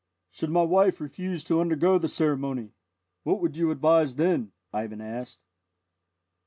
"Should my wife refuse to undergo the ceremony, what would you advise then?" Ivan asked.